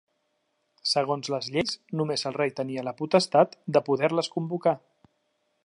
Segons les lleis, només el rei tenia la potestat de poder-les convocar.